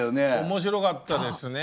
面白かったですね。